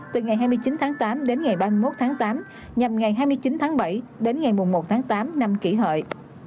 từ ngày hai mươi chín tháng tám đến ngày ba mươi một tháng tám nhằm ngày hai mươi chín tháng bảy đến ngày một tháng tám năm kỷ hợi